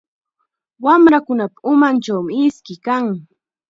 Wamrakunapa umanchawmi iski kan.